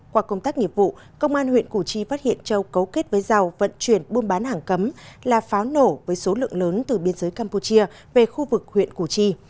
qua công tác nghiệp vụ công an huyện củ chi phát hiện châu cấu kết với giàu vận chuyển buôn bán hàng cấm là pháo nổ với số lượng lớn từ biên giới campuchia về khu vực huyện củ chi